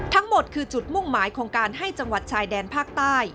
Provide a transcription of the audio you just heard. ทั้งหมดคือจุดมุ่งหมายของการให้จังหวัดชายแดนภาคใต้